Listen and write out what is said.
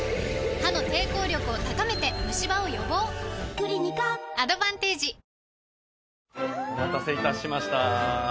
クリニカアドバンテージお待たせいたしました。